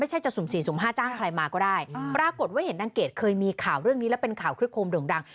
ไม่ใช่จะสูงสี่สูงห้าจ้างใครมาก็ได้ปรากฏว่าเห็นนางเกดเคยมีข่าวเรื่องนี้แล้วเป็นข่าวเครื่องคมด่ง